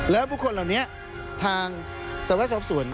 แล้วบุคคลเหล่านี้ทางสวรสอบสวน